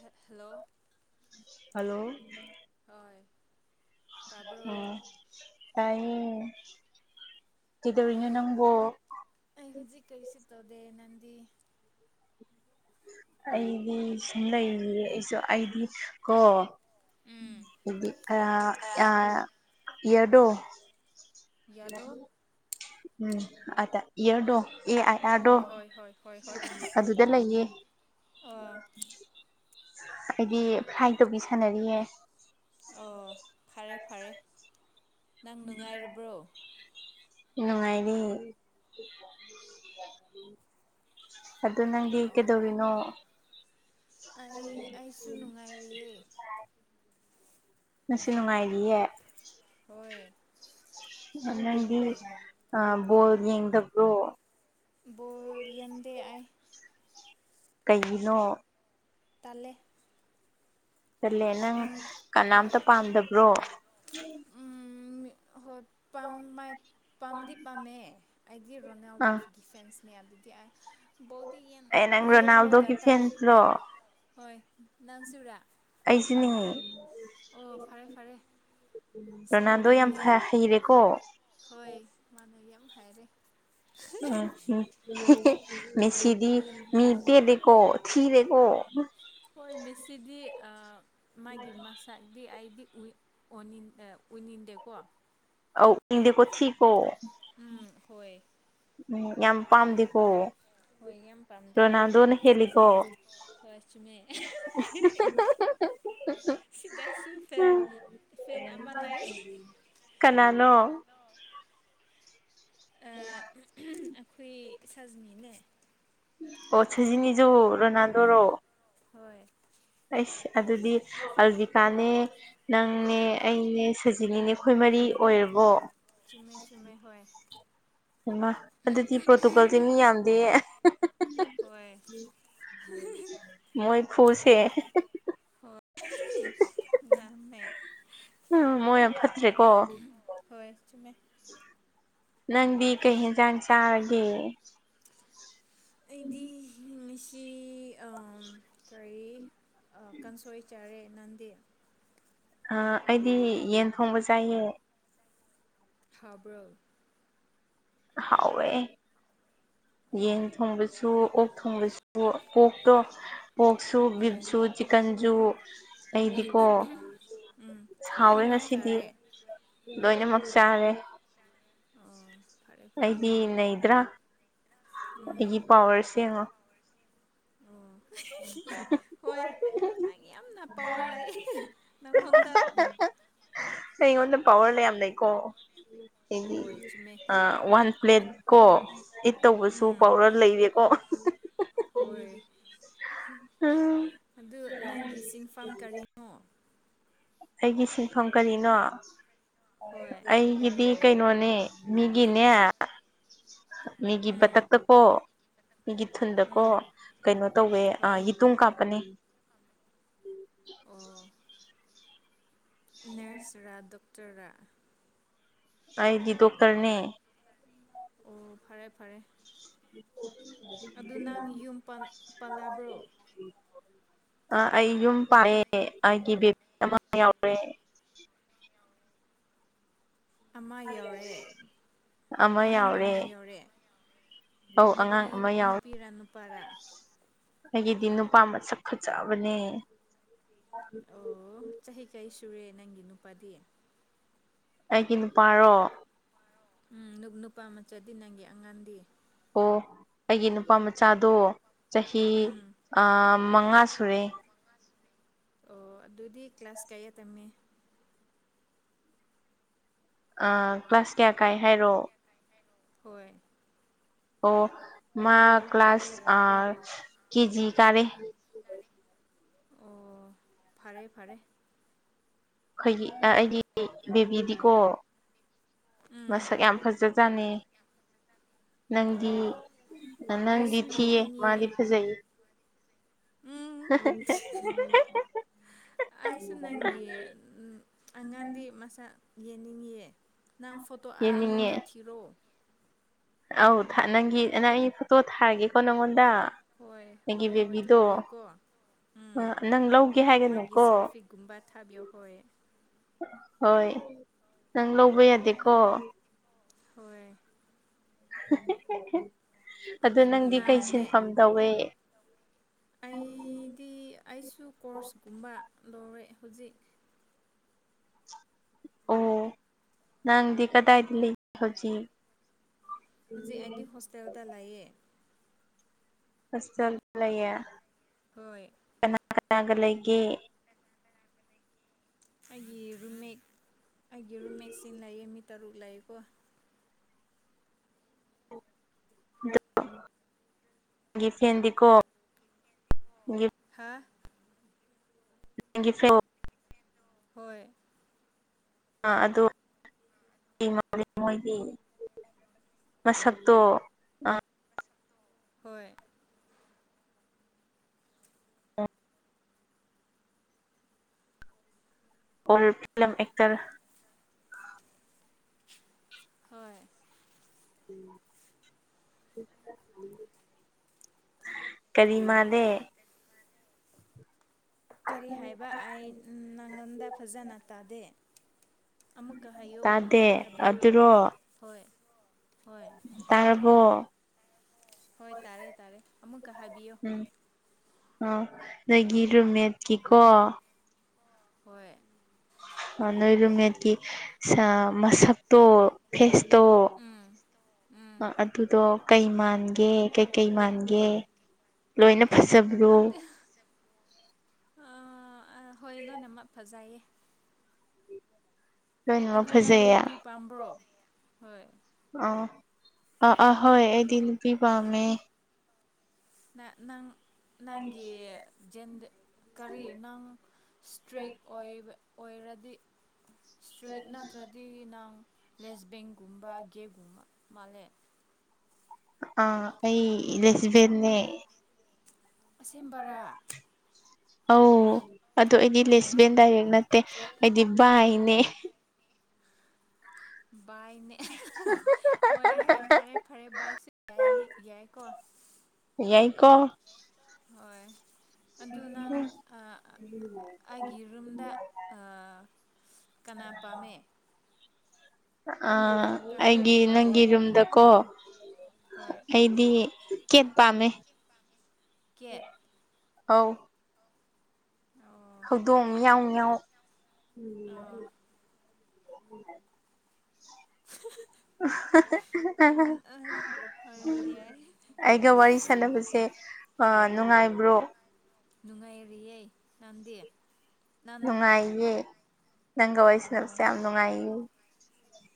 ꯍ hello hello ꯇꯥꯏ ꯎꯝ ꯇꯥꯌꯦ ꯀꯩꯗꯧꯔꯤꯅꯣ ꯅꯪꯕꯣ ꯑꯩ ꯍꯧꯖꯤꯛ ꯀꯔꯤꯁꯨ ꯇꯧꯗꯦ ꯅꯪꯗꯤ ꯑꯩꯗꯤ ꯁꯨꯝ ꯂꯩꯔꯤꯌꯦ ꯑꯩꯁꯨ ꯑꯩꯗꯤ ꯀꯣ ꯎꯝ ꯏꯗꯤ ꯑ ꯑ ꯏꯌꯔꯗꯣ ꯌꯥꯗꯣ ꯎꯝ ꯑꯗ ꯏꯌꯔꯗꯣ ꯑꯦ ꯑꯥꯏ ꯑꯣ ꯑꯥꯔꯗꯣ ꯍꯣꯏ ꯍꯣꯏ ꯑꯗꯨꯗ ꯂꯩꯌꯦ ꯑꫭ ꯑꯩꯗꯤ ꯐ꯭ꯔꯥꯏ ꯇꯧꯕꯤ ꯁꯥꯟꯅꯔꯤꯌꯦ ꯑꯣ ꯐꯔꯦ ꯐꯔꯦ ꯅꯪ ꯅꯨꯡꯉꯥꯏꯔꯤꯕ꯭ꯔꯣ ꯅꯨꯡꯉꯥꯏꯔꯤ ꯑꯗꫭ ꯅꯪꯗꯤ ꯑꯣ ꯀꯩꯗꯧꯔꯤꯅꯣ ꯑꯩ ꯑꯩꯁꯨ ꯅꯨꯡꯉꯥꯏꯔꯤꯌꯦ ꯃꯁꯤ ꯅꯨꯡꯉꯥꯏꯔꯤꯌꯦ ꯍꯣꯏ ꯅꯪꯗꯤ ꯑ ꯕꯣꯜ ꯌꯦꯡꯗꯕ꯭ꯔꯣ ꯕꯣꯜ ꯌꯦꯟꯗꯦ ꯑꯩ ꯀꯩꯒꯤꯅꯣ ꯇꯂꯦ ꯆꯜꯂꯦ ꯅꯪ ꯍꯣꯏ ꯀꯅꯥꯝꯇ ꯄꯥꯝꯗꯕ꯭ꯔꯣ ꯎꯝ ꯍꯣꯏ ꯄꯝ ꯄꯥꯝꯗꯤ ꯄꯥꯝꯃꯦ ꯑꯩꯗꯤ ꯔꯣꯅꯥꯜꯗꯣ ꯑꯥ ꯀꯤꯆꯟꯁꯤꯅꯦ ꯑꯗꯨꯗꯤ ꯑ ꯕꯣꯜꯗꯤ ꯌꯦ ꯑꯦ ꯅꯪ ꯌꯦꯡꯉꯨꯔꯒ ꯔꯣꯅꯥꯜꯗꯣꯒꯤ ꯇꯂꯦ ꯐꯦꯟꯁꯂꯣ ꯍꯣꯏ ꯅꯪꯁꯨꯨꯔꯥ ꯑꯩꯁꯤꯅꯤ ꯑꯣ ꯐꯔꯦ ꯐꯔꯦ ꯁꯦꯝ ꯔꯣꯅꯥꯜꯗꯣ ꯌꯥꯝ ꯇꯤꯝꯅꯦ ꯐ ꯍꯩꯔꯦꯀꯣ ꯍꯣꯏ ꯃꯥꯅꯕꯤ ꯌꯥꯝ ꯍꯥꯏꯔꯦ ꯑ ꯎꯝ ꯃꯦꯁꯤꯗꯤ ꯃꯤ ꯇꯦꯜꯂꯦꯀꯣ ꯊꯤꯔꯦꯀꯣ ꯍꯣꯏ ꯃꯦꯁꯤꯗꯤ ꯃꯥꯒꯤ ꯃꯁꯛ ꯗꯤ ꯑꯩꯗꯤ ꯎꯅꯤꯡꯗꯦꯀꯣ ꯑ ꯏꯗꯤꯀꯣ ꯊꯀꯣ ꯎꯝ ꯍꯣꯏ ꯎꯝ ꯌꯥꯝ ꯄꯥꯝꯗꯦꯀꯣ ꯍꯣꯏ ꯌꯥꯝ ꯔꯣꯅꯥꯜꯗꯣꯅ ꯍꯦꯜꯂꯤꯀꯣ ꯐꯁ ꯃ ꯁꯤꯗ ꯁꯨꯐꯦꯟ ꯎꯝ ꯀꯅꯥꯅꯣ ꯑꯩꯈꯣꯏ ꯁꯖꯅꯤꯅꯦ ꯑꯣ ꯁꯖꯤꯅꯤꯁꯨ ꯔꯣꯅꯥꯜꯗꯣ ꯔꯣ ꯍꯣꯏ ꯍꯣꯏ ꯑꯩꯁ ꯑꯗꯨꯗꯤ ꯍꯧꯖꯤꯛ ꯀꯥꯅꯦ ꯅꯪꯅꯦ ꯑꯩꯅꯦ ꯁꯖꯤꯅꯤꯅꯦ ꯑꯩꯈꯣꯏ ꯃꯔꯤ ꯑꯣꯏꯔꯕꯣ ꯆꯨꯝꯃꯦ ꯆꯨꯝꯃꯦ ꯍꯣꯏ ꯃ ꯑꯗꯨꯗꯤ ꯄꯣꯔꯇꯨꯒꯜꯁꯦ ꯃꯤ ꯌꯥꯝꯗꯦ ꯍꯣꯏ ꯃꯣꯏ ꯈꯨꯁꯤ ꯍꯦ ꯍꯍꯤ ꯅꯥꯪꯅꯦ ꯎꯝ ꯃꯣꯏ ꯌꯥꯝ ꯐꯠꯇ꯭ꯔꯦꯀꯣ ꯎꯍꯨꯝ ꯍꯣꯏ ꯆꯨꯝꯃꯦ ꯅꯪꯗꯤ ꯀꯩ ꯌꯦꯟꯖꯥꯡ ꯆꯥꯔꯒꯦ ꯑꯩꯗꯤ ꯉꯁꯤ ꯀꯔꯤ ꯑ ꯀꯥꯡꯁꯣꯏ ꯆꯔꯦ ꯅꯪꯗꯤ ꯑ ꯑꯩꯗꯤ ꯌꯦꯟ ꯊꯣꯡꯕ ꯆꯥꯏꯌꯦ ꯊꯥꯕ꯭ꯔ ꯍꯥꯎꯋꯦ ꯌꯦꯟ ꯑꯣ ꯊꯣꯡꯕꯁꯨ ꯑꯣꯛ ꯊꯣꯡꯕꯁꯨ ꯄꯣꯔꯀꯇꯣ ꯄꯣꯛꯁꯨ ꯍꯣꯏ ꯒꯤꯞꯁꯨꯨ ꯆꯤꯀꯟꯖꯨ ꯑꯩꯗꯤꯀꯣ ꯎꯝ ꯁꯥꯎꯔꯦ ꯂꯣꯏꯅꯃꯛ ꯉꯁꯤꯗꯤ ꯆꯥꯔꯦ ꯂꯣꯏꯅꯃꯛ ꯆꯥꯔꯦ ꯑꯣ ꯐꯔꯦ ꯐꯔꯦ ꯑꯩꯗꯤ ꯅꯗ꯭ꯔꯥ ꯎꯝ ꯑꯩꯒꯤ ꯄꯋꯥꯔ ꯁꯡꯉꯣ ꯑꯣ ꯍꯣꯏ ꯅꯪ ꯌꯥꯝꯅ ꯄꯋꯥꯔ ꯂꯥꯛꯏ ꯅꯪꯉꯣꯟꯗ ꯏ ꯄꯋꯥꯔꯂꯦꯝꯌꯥꯝ ꯂꯩꯀꯣ ꯍꯥꯏꯗꯤ ꯍꯣꯏ ꯆꯨꯝꯃꯦ ꯋꯥꯟ ꯄ꯭ꯂꯦꯠ ꯀꯣ ꯏꯠ ꯇꯧꯕꯁꯨ ꯎꯝ ꯄꯥꯎꯗꯔ ꯂꯩꯔꯦꯀꯣ ꯍꯣꯏ ꯑꯝ ꯑꯗꯨ ꯅꯪꯒꯤ ꯁꯤꯟꯐꯝ ꯀꯔꯤ ꯅꯣ ꯑꯩꯒꯤ ꯁꯤꯟꯐꯝ ꯀꯔꯤꯅꯣ ꯍꯣꯏ ꯑꯩꯒꯤꯗꯤ ꯀꯩꯅꯣꯅꯦ ꯃꯤꯒꯤꯅꯦ ꯃꯤꯒꯤ ꯎꯝ ꯕꯇꯛꯇꯀꯣ ꯃꯤꯒꯤ ꯊꯨꯟꯗꯀꯣ ꯎꯝ ꯀꯩꯅꯣ ꯇꯧꯋꯦ ꯑ ꯍꯣꯏ ꯌꯦꯇꯨꯝ ꯀꯥꯞꯄꯅꯤ ꯑꯣ ꯅꯔꯁꯔꯥ ꯗꯣꯛꯇꯔꯥ ꯑꯩꯗꯤ ꯗꯣꯛꯇꯔꯅꯦ ꯑꯣ ꯐꯔꯦ ꯐꯔꯦ ꯑꯗꯨ ꯅꯪ ꯌꯨꯝ ꯄꯥꯜꯂꯕ꯭ꯔꯣ [unintelligible] ꯑ ꯑꯩ ꯌꯨꯝ ꯄꯥꯛꯑꯦ ꯑꯩꯒꯤ ꯕꯦꯕꯤ ꯑꯃ ꯌꯥꯎꯔꯦ ꯑꯃ ꯌꯥꯎꯔꯦ ꯑꯃ ꯑꯉꯥꯡ ꯌꯥꯎꯔꯦ ꯑꯃ ꯌꯥꯎꯔꯦ ꯑꯧ ꯑꯉꯥꯡ ꯅꯨꯄꯤ ꯑꯃ ꯌꯥꯎꯔꯦ ꯅꯨꯄꯤꯔꯥ ꯅꯨꯄꯥꯔꯥ ꯑꯩꯒꯤꯗꯤ ꯅꯨꯄꯥ ꯃꯁꯛ ꯐꯖꯕꯅꯦ ꯑꯣ ꯆꯍꯤ ꯀꯔꯤ ꯁꯨꯔꯦ ꯅꯪꯒꯤ ꯅꯨꯄꯥꯗꯤ ꯑꯩꯒꯤ ꯅꯨꯄꯥꯔꯣ ꯎ ꯅꯨ ꯅꯨꯄꯥ ꯃꯆꯥꯗꯤ ꯅꯪꯒꯤ ꯑꯉꯥꯡꯗꯤ ꯑꯣ ꯑꯩꯒꯤ ꯅꯨꯄꯥ ꯃꯆꯥꯗꯣ ꯆꯍꯤ ꯎꯝ ꯑꯥ ꯃꯉꯥ ꯁꯨꯔꯦ ꯑꯣ ꯑꯗꯨꯗꯤ ꯀ꯭ꯂꯥꯁ ꯀꯌꯥ ꯇꯝꯃꯦ ꯑꯥ ꯀ꯭ꯂꯥꯁ ꯀꯌꯥ ꯀꯥꯏ ꯍꯥꯏꯔꯣ ꯍꯣꯏ ꯑꯣ ꯃꯥ ꯀ꯭ꯂꯥꯁ ꯑ ꯀꯦꯖꯤ ꯀꯥꯔꯦ ꯑꯣ ꯐꯔꯦ ꯐꯔꯦ ꯑꯩꯈꯣꯏꯒꯤ ꯑꯩꯗꯤ ꯕꯦꯕꯤꯗꯤꯀꯣ ꯎꯝ ꯃꯁꯛ ꯌꯥꯝ ꯐꯖꯖꯥꯅ ꯅꯪꯗꯤ ꯑꯣ ꯑ ꯅꯪꯗꯤ ꯑꯩꯁꯨ ꯊꯤꯌꯦ ꯃꯥꯗꯤ ꯌꯦꯡꯅꯤꯡꯉꯦ ꯐꯖꯩ ꯎꯝ ꯍꯍꯥ ꯍꯍꯍꯥ ꯑꯩꯁꯨ ꯅꯪꯒꯤ ꯑꯉꯥꯡꯗꯤ ꯃꯁꯛ ꯌꯦꯡꯅꯤꯡꯑꯦ ꯅꯪ ꯐꯣꯇꯣ ꯑꯥ ꯌꯦꯡꯅꯤꯡꯉꯦ ꯑꯩꯉꯣꯟꯗ ꯊꯤꯔꯣ ꯑꯧ ꯅꯪꯒꯤ ꯅꯪ ꯑꯩ ꯐꯣꯇꯣ ꯊꯥꯔꯒꯦꯀꯣ ꯅꯪꯉꯣꯟꯗ ꯍꯣꯏ ꯑꯩꯒꯤ ꯍꯣꯏ ꯍꯣꯏ ꯕꯦꯕꯤꯗꯣ ꯊꯥꯕꯤꯌꯨꯀꯣ ꯎꯝ ꯅꯪ ꯂꯧꯒꯦ ꯃꯥꯒꯤ ꯍꯥꯏꯒꯅꯨꯀꯣ ꯁꯦꯜꯐꯤ ꯒꯨꯝꯕ ꯊꯥꯕꯤꯎ ꯍꯣꯏ ꯍꯣꯏ ꯅꯪ ꯂꯧꯕ ꯌꯥꯗꯦꯀꯣ ꯍꯣꯏ ꯑꯗꯨ ꯅꯪꯗꯤ ꯀꯩ ꯅꯪꯅꯦ ꯁꯤꯟꯐꯝ ꯇꯧꯋꯦ ꯑꯩꯗꯤ ꯑꯩꯁꯨ ꯀꯣꯔꯁꯀꯨꯝꯕ ꯂꯧꯔꯦ ꯍꯧꯖꯤꯛ ꯑꯣ ꯅꯪꯗꯤ ꯀꯗꯥꯏꯗ ꯂꯩꯒꯦ ꯍꯧꯖꯤꯛ ꯍꯧꯖꯤꯛ ꯑꯩꯗꯤ ꯍꯣꯁꯇꯦꯜꯗ ꯂꯩꯌꯦ ꯍꯣꯁꯇꯦꯜ ꯂꯩꯌꯦ ꯍꯣꯏ ꯀꯅꯥ ꯀꯅꯥꯒ ꯂꯩꯒꯦ ꯑꯩꯒꯤ ꯔꯨꯝꯃꯦꯠ ꯑꯩꯒꯤ ꯔꯨꯝꯃꯦꯠꯁꯤ ꯂꯩꯌꯦ ꯃꯤ ꯇꯔꯨꯛ ꯂꯩꯌꯦꯀꯣ ꯑꯩꯒꯤ ꯐꯔꯦꯟꯗꯤꯀꯣ ꯍꯥꯥ [unintelligible] ꯍꯣꯏ ꯑ ꯑꯗꯣ ꯃꯣꯏꯒꯤ ꯃꯁꯛꯇꯣ ꯍꯣꯏ ꯐꯤꯂꯝ ꯑꯦꯛꯇꯔ ꯍꯣꯏ ꯎꯝ ꯀꯔꯤ ꯃꯥꯥꯂꯤ ꯀꯔꯤ ꯍꯥꯏꯕ ꯑꯩ ꯅꯪꯉꯣꯟꯗ ꯐꯖꯅ ꯇꯥꯗꯦ ꯑꯃꯨꯛꯀ ꯍꯥꯏꯌꯣ ꯇꯥꯗꯦ ꯍꯥꯏꯕꯤꯌꯣ ꯑꯗꯨꯔꯣ ꯍꯣꯏ ꯍꯣꯏ ꯇꯥꯔꯕꯣ ꯍꯣꯏ ꯇꯥꯔꯦ ꯇꯥꯔꯦ ꯑꯃꯨꯛꯀ ꯍꯥꯏꯕꯤꯌꯣ ꯎꯝ ꯑ ꯅꯣꯏꯒꯤ ꯔꯨꯝꯃꯦꯠꯀꯤꯀꯣ ꯍꯣꯏ ꯑ ꯅꯣꯏ ꯔꯨꯝꯃꯦꯠꯀꯤ ꯃꯁꯛꯇꯣ ꯐꯦꯁꯇꯣ ꯎꯝ ꯎꯝ ꯑꯗꯨꯗꯣ ꯀꯩ ꯃꯥꯟꯒꯦ ꯀꯩꯀꯩ ꯃꯥꯟꯒꯦ ꯂꯣꯏꯅ ꯐꯥꯖꯕ꯭ꯔꯣ ꯑꯗ ꯑꯍꯣꯏ ꯂꯣꯏꯅꯃꯛ ꯐꯥꯖꯩꯌꯦ ꯂꯣꯏꯅꯃꯛ ꯑꯗꯨ ꯅꯪ ꯐꯖꯩꯌꯦ ꯅꯨꯄꯤ ꯄꯥꯝꯕ꯭ꯔꯣ ꯍꯣꯏ ꯑ ꯑ ꯑ ꯍꯣꯏ ꯑꯩꯗꯤ ꯅꯨꯄꯤ ꯄꯥꯝꯃꯦ ꯅꯪ ꯅꯪꯒꯤ ꯀꯔꯤ ꯅꯪ ꯏꯁꯇ꯭ꯔꯤꯛ ꯑꯣꯏ ꯑꯣꯏꯔꯗꯤ ꯏꯁꯇ꯭ꯔꯤꯛ ꯅꯠꯇ꯭ꯔꯗꯤ ꯅꯪ ꯂꯦꯁꯕꯦꯟ ꯒꯨꯝꯕ ꯒꯦ ꯀꯨꯝꯕ ꯃꯥꯜꯂꯦ ꯑ ꯑꯩ ꯂꯦꯁꯕꯦꯟꯅꯦ ꯑꯁꯦꯡꯕꯔꯥ ꯑꯧ ꯑꯗꯨ ꯑꯩꯗꯤ ꯍꯩꯃ ꯂꯦꯁꯕꯦꯟ ꯗꯥꯏꯔꯦꯛ ꯅꯠꯇꯦ ꯑꯩꯗꯤ ꯕꯥꯏꯅꯦ ꯕꯥꯏꯅꯦ ꯍꯣꯏ ꯍꯣꯏ ꯐꯔꯦ ꯐꯔꯦ ꯕꯥꯏꯁꯨ ꯌꯥꯏꯅꯦ ꯌꯥꯏꯀꯣ ꯌꯥꯏꯀꯣ ꯍꯣꯏ ꯑꯗꯨ ꯅꯪ ꯑ ꯑ-ꯑꯩꯒꯤ ꯔꯨꯝꯗ ꯑ ꯀꯅꯥ ꯄꯥꯝꯃꯦ ꯑꯥ ꯀꯅꯥꯒꯤ ꯑꯩꯗꯤ ꯄꯥꯝꯃꯦ ꯅꯪꯒꯤ ꯔꯨꯝꯗꯀꯣ ꯍꯣꯏ ꯑꯩꯗꯤ ꯀꯦꯠ ꯄꯥꯝꯃꯦ ꯀꯦꯠ ꯑꯧ ꯑꯣ ꯍꯧꯗꯣꯡ ꯉꯤꯌꯥꯎ ꯉꯤꯌꯥꯎ ꯎꯝ ꯑꯣ ꯑꯩ ꯍꯣꯏ ꯌꯥꯏ ꯑꯩꯒ ꯋꯥꯔꯤ ꯁꯥꯟꯅꯕꯁꯦ ꯅꯨꯡꯉꯥꯏꯕ꯭ꯔꯣ ꯅꯨꯡꯉꯥꯏꯔꯤꯌꯦ ꯅꯪꯗꯤ ꯅꯪ ꯅꯨꯡꯉꯥꯏꯌꯦ ꯅꯪꯒ ꯋꯥꯔꯤ ꯁꯥꯅꯕꯁꯦ ꯌꯥꯝ ꯅꯨꯡꯉꯥꯏꯌꯦ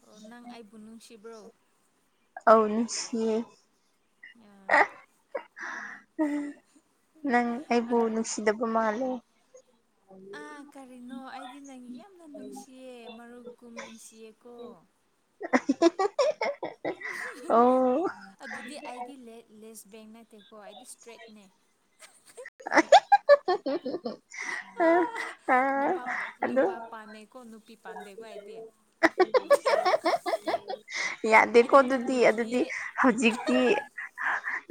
ꯑꯣ ꯅꯪ ꯑꯩꯕꯨ ꯅꯨꯡꯁꯤꯕ꯭ꯔꯣ ꯑꯧ ꯅꯨꯡꯁꯤꯌꯦ ꯑ ꯅꯪ ꯑꯩꯕꯨ ꯅꯨꯡꯁꯤꯗꯕ ꯃꯥꯜꯂꯦ ꯑ ꯀꯔꯤꯅꯣ ꯑꯩꯗꯤ ꯅꯪ ꯌꯥꯝꯅ ꯅꯨꯡꯁꯤꯌꯦ ꯃꯔꯨꯞ ꯀꯨꯝ ꯅꯨꯡꯁꯤꯌꯦꯀꯣ ꯑꯣ ꯑꯗꯨꯗꯤ ꯑꯩꯗꯤ ꯂꯦꯁꯕꯦꯟ ꯅꯠꯇꯦꯀꯣ ꯑꯩꯗꯤ ꯏꯁꯇ꯭ꯔꯦꯠꯅꯦ ꯑ ꯅꯨꯄꯥ ꯅꯨꯄꯥ ꯄꯥꯝꯃꯦꯀꯣ ꯅꯨꯄꯤ ꯄꯥꯝꯗꯦꯀꯣ ꯑꯩꯗꯤ ꯌꯥꯗꯦꯀꯣ ꯑꯩꯗꯤ ꯅꯪꯕꯨ ꯑꯗꯨꯗꯤ ꯑꯗꯨꯗꯤ ꯀꯤꯌꯦ ꯍꯧꯖꯤꯛꯇꯤ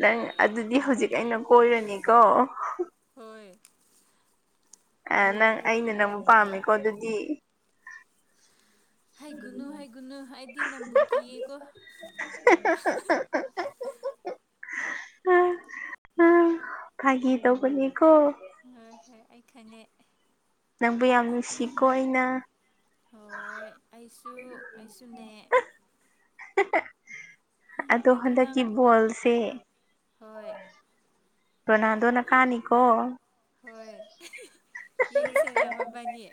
ꯅꯪ ꯑꯗꯨꯗꯤ ꯍꯧꯖꯤꯛ ꯑꯩꯅ ꯀꯣꯏꯔꯅꯤꯀꯣ ꯍꯣꯏ ꯑꯦ ꯅꯪ ꯑꯩꯅ ꯅꯪ ꯄꯥꯝꯃꯦꯀꯣ ꯑꯗꯨꯗꯤ ꯍꯥꯏꯒꯅꯨ ꯍꯥꯏꯒꯅꯨ ꯑꯩꯗꯤ ꯅꯝꯕꯨ ꯀꯤꯌꯦꯀꯣ ꯎꯝ__ [unintelligible] ꯎꯝ ꯎꯝ ꯐꯒꯤ ꯇꯧꯕꯅꯤꯀꯣ ꯍꯣꯏ ꯍꯣꯏ ꯑꯩ ꯈꯪꯉꯦ ꯅꯪꯕꯨ ꯌꯥꯝ ꯅꯨꯡꯁꯤꯀꯣ ꯑꯩꯅ ꯍꯣꯏ ꯑꯩꯁꯨ ꯑꯩꯁꯨꯅꯦ ꯍꯥꯍꯥ ꯑꯗꯣ ꯑꯗꯨ ꯅꯪ ꯍꯟꯗꯛꯀꯤ ꯕꯣꯜꯁꯦ ꯍꯣꯏ ꯔꯣꯅꯥꯟꯗꯣꯅ ꯀꯥꯅꯤ ꯀꯣ ꯍꯣꯏ ꯌꯦꯡꯁꯤꯔꯃꯕꯥꯏꯅꯤ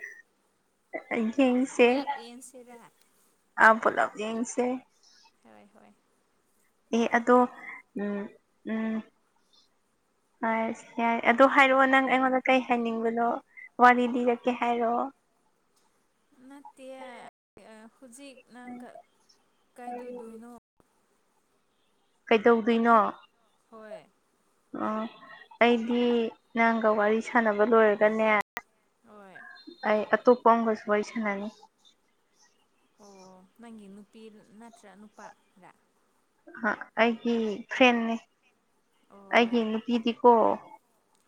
ꯑ ꯌꯦꯡꯁꯦ ꯄꯦꯟꯁꯤꯔ ꯑꯥ ꯄꯨꯂꯞ ꯌꯦꯡꯁꯦ ꯍꯣꯏ ꯍꯣꯏ ꯑꯦ ꯑꯗꯣ ꯎꯝ ꯎꯝ ꯑ ꯌꯥꯏ ꯑꯗꯨ ꯍꯥꯏꯔꯛꯑꯣ ꯅꯪ ꯑꯩꯉꯣꯟꯗ ꯀꯩ ꯍꯥꯏꯅꯤꯡꯕꯅꯣ ꯋꯥꯔꯤ ꯂꯤꯔꯛꯀꯦ ꯍꯥꯏꯔꯛꯑꯣ ꯅꯠꯇꯤꯌꯦ ꯍꯧꯖꯤꯛ ꯅꯪꯒ ꯀꯩꯗꯣꯏꯗꯣꯏꯅꯣ ꯀꯩꯗꯧꯗꯣꯏꯅꯣ ꯍꯣꯏ ꯑꯣ ꯑꯩꯗꯤ ꯅꯪꯒ ꯋꯥꯔꯤ ꯁꯥꯟꯅꯕ ꯂꯣꯏꯔꯒꯅꯦ ꯍꯣꯏ ꯑꯩ ꯑꯇꯣꯞꯄ ꯑꯝꯒꯁꯨ ꯋꯥꯔꯤ ꯁꯥꯟꯅꯅꯤ ꯑꯣ ꯅꯪꯒꯤ ꯅꯨꯄꯤ ꯅꯠꯇ꯭ꯔ ꯅꯨꯄꯥꯔ ꯑ ꯑꯩꯒꯤ ꯐ꯭ꯔꯦꯟꯅꯦ ꯑꯣ ꯑꯩꯒꯤ ꯅꯨꯄꯤꯗꯤꯀꯣ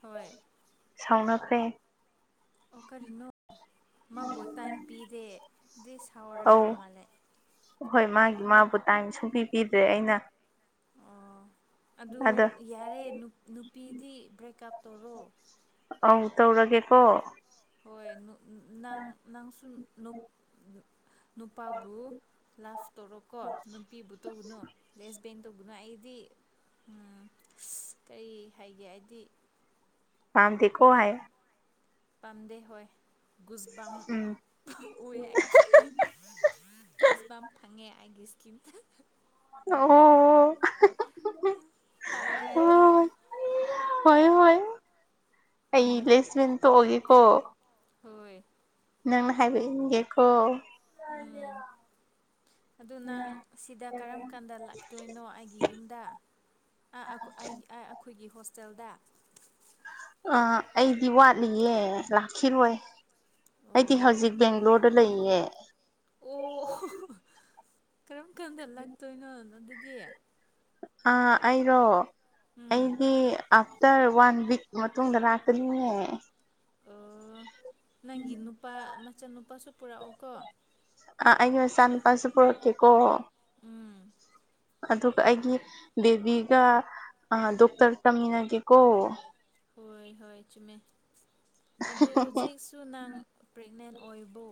ꯍꯣꯏ ꯁꯥꯎꯅꯈ꯭ꯔꯦ ꯑꯣ ꯀꯔꯤꯅꯣ ꯃꯥꯕꯨ ꯇꯥꯏꯝ ꯄꯤꯗꯦꯗꯤ ꯑꯧ ꯁꯥꯎꯔꯕ꯭ꯔꯃꯥꯜꯂꯦ ꯍꯣꯏ ꯃꯥꯒꯤ ꯃꯥꯕꯨ ꯇꯥꯏꯝ ꯁꯨꯡꯄꯤꯄꯤꯗ꯭ꯔꯦ ꯑꯩꯅ ꯑꯣ ꯑꯗꯨ ꯑꯗ ꯌꯥꯔꯦ ꯅꯨꯞ ꯅꯨꯄꯤꯗꯤ ꯕ꯭ꯔꯦꯛꯀꯞ ꯇꯧꯔꯣ ꯑꯧ ꯇꯧꯔꯒꯦꯀꯣ ꯍꯣꯏ ꯅꯪ ꯅꯪꯁꯨ ꯅꯨ ꯅꯨꯄꯥꯕꯨ ꯂꯞ ꯇꯧꯔꯣꯀꯣ ꯅꯨꯄꯤꯕꯨ ꯇꯧꯕꯅꯨ ꯂꯦꯁꯕꯦꯟ ꯇꯧꯕꯅꯨ ꯑꯩꯗꯤ ꯎꯝ ꯑꯁ ꯀꯔꯤ ꯍꯥꯏꯒꯦ ꯍꯥꯏꯗꯤ ꯄꯥꯝꯗꯦꯀꯣ ꯍꯥꯏꯌꯦ ꯄꯝꯗꯦ ꯍꫭꯏ ꯒꯨꯏꯕꯥꯝ ꯎꯝ ꯇꯧꯋꯦ ꯑꯩꯗꯤ ꯒꯨꯁꯕꯥꯝ ꯐꯪꯉꯦ ꯑꯩꯥꯒꯤ ꯏꯁꯀꯤꯝꯗ ꯑꯣ ꯇꯜꯂꯦ ꯑꯩꯗꯤ ꯍꯣꯏ ꯍꯣꯏ ꯍꯣꯏ ꯑꯩ ꯄ꯭ꯂꯦꯁꯃꯦꯟ ꯇꫭꯛꯑꯒꯦꯀꯣ ꯍꯣꯏ ꯅꯪꯅ ꯍꯥꯏꯕ ꯏꯟꯒꯦꯀꯣ ꯑꯗꯨ ꯅꯪ ꯁꯤꯗ ꯀꯔꯝ ꯀꯥꯟꯗ ꯂꯥꯛꯇꯣꯏꯅꯣ ꯑꯩꯒꯤ ꯌꯨꯝꯗ ꯑ ꯑꯈꫭꯏ ꯑꯩꯒꯤ ꯑꯥ ꯑꯩꯈꯣꯏꯒꯤ ꯍꯣꯁꯇꯦꯜꯗ ꯑ ꯑꯩꯗꯤ ꯋꯥꯠꯂꯤꯌꯦ ꯂꯥꯛꯈꯤꯔꯣꯏ ꯑꯩꯗꯤ ꯑꯣ ꯍꯧꯖꯤꯛ ꯕꯦꯡꯒ꯭ꯂꯣꯔ ꯗ ꯂꯩꯌꯦ ꯑꯣ ꯀꯔꯝ ꯀꯥꯟꯗ ꯂꯥꯛꯇꯣꯏꯅꯣ ꯑꯗꯨꯗꯤ ꯑꯥ ꯑꯩꯔꯣ ꯎꯝ ꯑꯩꯗꯤ ꯇ ꯋꯥꯟ ꯋꯤꯛ ꯃꯇꯨꯡꯗ ꯂꯥꯛꯀꯅꯤꯅꯦ ꯑꯣ ꯅꯪꯒꯤ ꯅꯨꯄꯥ ꯃꯆꯥ ꯅꯨꯨꯄꯥꯁꯨ ꯄꯨꯔꯛꯎꯀꫭ ꯑꯥ ꯑꯩꯉ ꯏꯆꯥ ꯅꯨꯨꯄꯥꯁꯨ ꯄꯨꯔꯛꯀꯦꯀꯣ ꯎꯝ ꯑꯗꯨꯒ ꯑꯩꯒꯤ ꯕꯦꯕꯤꯒ ꯗꯣꯛꯇꯔ ꯇꯥꯝꯃꯤꯟꯅꯒꯦꯀꯣ ꯍꯣꯏ ꯍꯣꯏ ꯆꯨꯝꯃꯦ ꯑꯗꯨ ꯍꯧꯖꯤꯛꯁꯨ ꯅꯪ ꯄ꯭ꯔꯦꯒꯅꯦꯟ ꯑꯣꯏꯕꯣ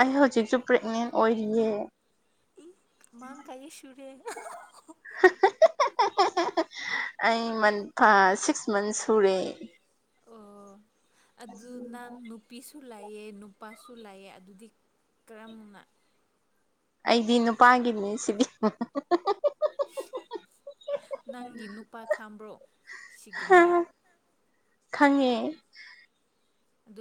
ꯑꯩ ꯍꯧꯖꯤꯛꯁꯨ ꯄ꯭ꯔꯦꯒꯅꯦꯟ ꯑꯣꯏꯔꯤꯌꯦ ꯃꯥꯡ ꯀꯥꯏ ꯁꯨꯔꯦ [inaudible] [unintelligible] ꯑꯩ ꯃꯥꯟ ꯊꯥ ꯁꯤꯛꯁ ꯃꯟꯁ ꯁꯨꯔꯦ ꯑꯣ ꯑꯗꯨ ꯅꯥꯟ ꯅꯨꯞ ꯅꯨꯄꯤꯁꯨ ꯂꯩꯌꯦ ꯅꯨꯄꯥꯁꯨ ꯂꯩꯌꯦ ꯑꯗꯨꯗꯤ ꯀꯔꯝꯅ ꯑꯩꯗꯤ ꯅꯨꯄꯥꯒꯤꯅꯦ ꯁꯤꯕꯤ ꯅꯪꯒꯤ ꯅꯨꯄꯥ ꯈꯥꯝꯕ꯭ꯔꯣ ꯁꯤꯒꯨꯝꯕ ꯈꯪꯉꯦ ꯑꯗꯨ